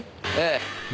ええ。